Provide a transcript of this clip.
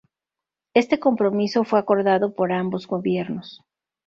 Este compromiso fue acordado por ambos gobiernos.